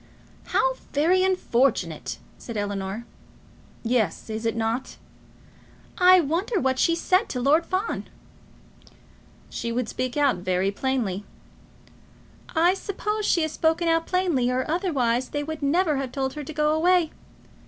"How very unfortunate!" said Ellinor. "Yes; is it not?" "I wonder what she said to Lord Fawn?" "She would speak out very plainly." "I suppose she has spoken out plainly, or otherwise they would never have told her to go away.